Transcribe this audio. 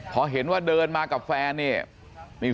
พอเห็นว่าเดินมากับแฟนเนี่ย